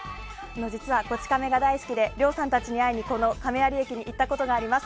実は、「こち亀」が大好きで両さんたちに会いに亀有駅に行ったことがあります。